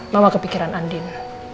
mama kepikiran andin